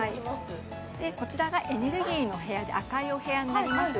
こちらがエネルギーの部屋で赤いお部屋になります